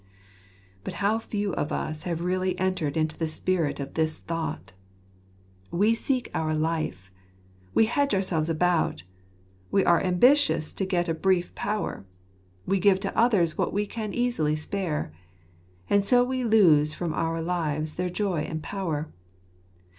But how few of us have really entered into the spirit of this thought ! We seek our life ; we hedge ourselves about ; we are ambitious to get a brief power; we give to others what we can easily spare. And so we lose from our lives their joy and power.